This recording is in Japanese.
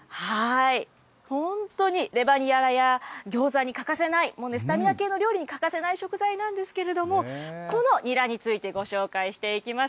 本当にレバニラやギョーザに欠かせない、スタミナ系の料理に欠かせない食材なんですけれども、このニラについて、ご紹介していきます。